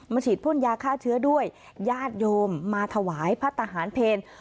ฉีดพ่นยาฆ่าเชื้อด้วยญาติโยมมาถวายพระทหารเพล